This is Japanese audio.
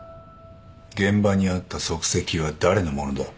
現場にあった足跡は誰のものだ？